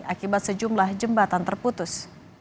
akibat sejumlah jembatan terputus